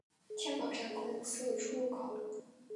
天宝站共有四个出入口。